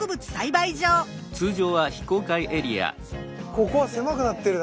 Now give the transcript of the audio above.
ここは狭くなってるな。